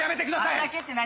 「あれだけ」って何？